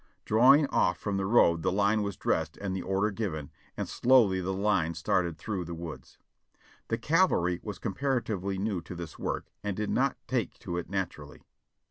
Drawing of¥ from the road the line was dressed and the order given, and slowly the Hne started through the woods. The cavalry was comparatively new to this work and did not take to it naturally.